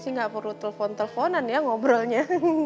enggak perlu telfon telfonan ya ngobrolnya